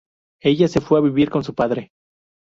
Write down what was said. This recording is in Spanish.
Ella se fue a vivir con su padre.